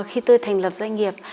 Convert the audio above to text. khi tôi thành lập doanh nghiệp